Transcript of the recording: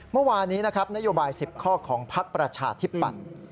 เมื่อวานี้นะครับนโยบาย๑๐ข้อของพักประชาธิปัตย์